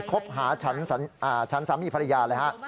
คบหาฉันสามีภรรยาเลยฮะ